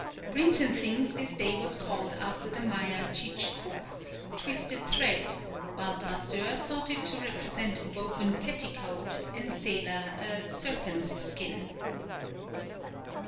_ Brinton thinks this day was called after the Maya chich kuck, "twisted thread," whilst Brasseur thought it to represent a woven petticoat and Seler a "serpent's skin."